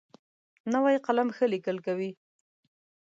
نوی قلم ښه لیکل کوي